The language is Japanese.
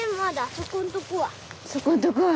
そこんとこは。